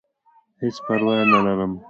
هېڅ پرواه ئې نۀ لرم -